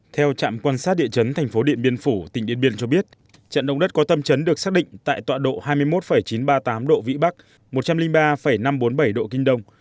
theo trạm quan sát địa chấn thành phố điện biên phủ tỉnh điện biên cho biết trận động đất có tâm trấn được xác định tại tọa độ hai mươi một chín trăm ba mươi tám độ vĩ bắc một trăm linh ba năm trăm bốn mươi bảy độ kinh đông